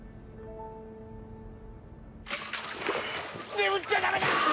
眠っちゃダメだ！